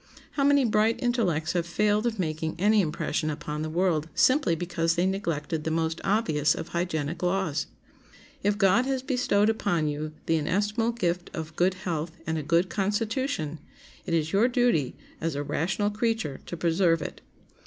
How many bright intellects have failed of making any impression upon the world simply because they neglected the most obvious of hygienic laws! If God has bestowed upon you the inestimable gift of good health and a good constitution, it is your duty, as a rational creature, to preserve it.